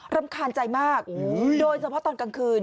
รำคาญใจมากโดยเฉพาะตอนกลางคืน